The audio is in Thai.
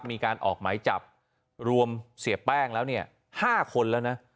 มีการออกหมายจับรวมเสียแป้งแล้วเนี่ย๕คนแล้วนะ